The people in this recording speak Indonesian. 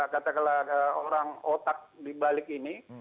katakanlah orang otak dibalik ini